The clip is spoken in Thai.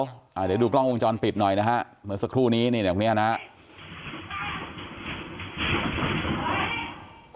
เดี๋ยวดูกล้องวงจรปิดหน่อยนะครับเหมือนสักครู่นี้นะครับ